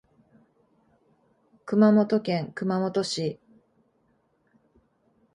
熊本県熊本市